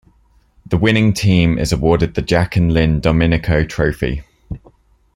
The winning team is awarded the Jack and Lynne Dominico Trophy.